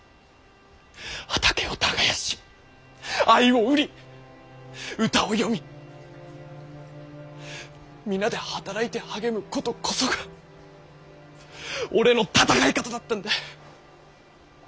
畑を耕し藍を売り歌を詠み皆で働いて励むことこそが俺の戦い方だったんだ。